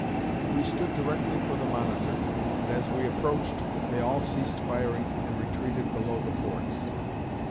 We stood directly for the Monitor, but as we approached they all ceased firing and retreated below the forts.